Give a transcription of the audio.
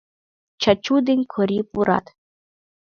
Чачу ден Кори пурат.